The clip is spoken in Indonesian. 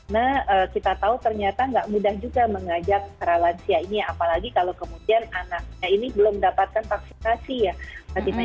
nah kita tahu ternyata nggak mudah juga mengajak para lansia ini apalagi kalau kemudian anaknya ini belum mendapatkan vaksinasi ya